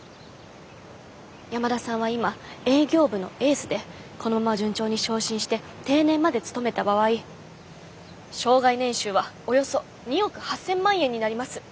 山田さんは今営業部のエースでこのまま順調に昇進して定年まで勤めた場合生涯年収はおよそ２億８，０００万円になります。